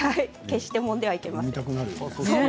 決してもんではいけません。